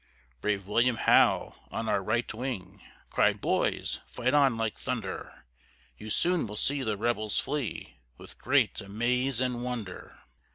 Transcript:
Brave William Howe, on our right wing, Cried, "Boys, fight on like thunder; You soon will see the rebels flee, With great amaze and wonder."